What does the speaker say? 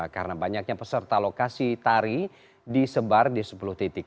karena banyaknya peserta lokasi tari disebar di sepuluh titik